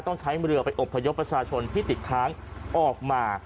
ต้องใช้เรือไปอบพยพประชาชนที่ติดค้างออกมา